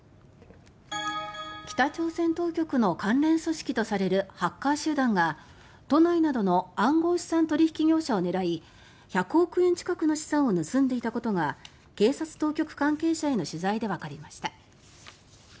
北朝鮮当局の関連組織とされるハッカー集団が都内などの暗号資産取引業者を狙い１００億円近くの資産を盗んでいたことが警察当局関係者への取材でわかりました。